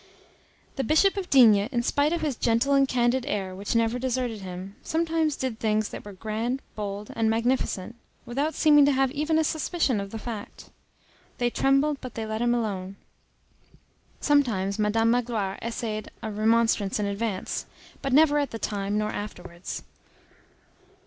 The Bishop of D——, in spite of the gentle and candid air which never deserted him, sometimes did things that were grand, bold, and magnificent, without seeming to have even a suspicion of the fact. They trembled, but they let him alone. Sometimes Madame Magloire essayed a remonstrance in advance, but never at the time, nor afterwards.